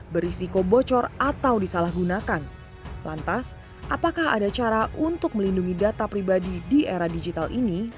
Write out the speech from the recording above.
berisiko bocor atau disalahgunakan lantas apakah ada cara untuk melindungi data pribadi di era digital ini